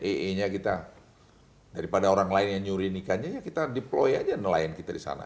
ee nya kita daripada orang lain yang nyuriin ikannya ya kita deploy aja nelayan kita di sana